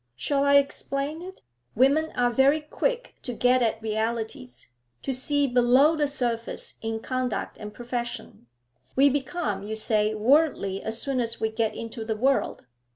'Shall I explain it? Women are very quick to get at realities, to see below the surface in conduct and profession. We become, you say, worldly as soon as we get into the world.